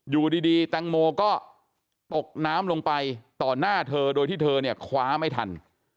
อยู่ดีแตงโมก็ตกน้ำลงไปต่อหน้าเธอโดยที่เธอเนี่ยคว้าไม่ทัน